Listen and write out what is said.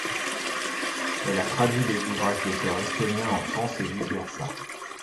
Elle a traduit des ouvrages d'auteurs estoniens en France et vice versa.